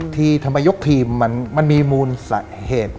ทำไมยกทีมมันมีมูลสาเหตุ